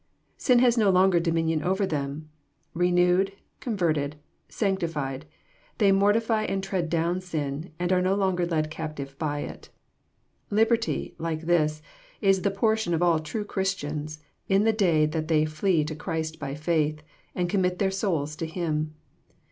Sin has no longer dominion over them. Renewed, con Terted, sanctified, they mortify and tread down sin, and are no longer led captive by it. — Liberty, like this, is the portion of all true Christians in the day that they flee to Christ by faith, and commit their souls to Him.